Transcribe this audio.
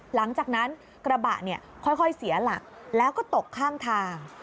หลังจากนั้นกระบะเนี่ยค่อยเสียหลักแล้วก็ตกข้างทาง